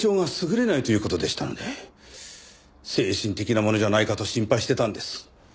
精神的なものじゃないかと心配してたんです。